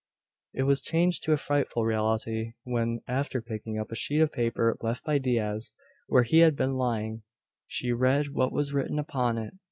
It was changed to a frightful reality, when, after picking up a sheet of paper left by Diaz where he had been lying, she read what was written upon it.